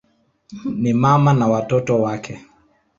Ni mama na watoto wake.